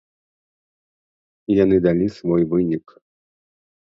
Яны далі свой вынік.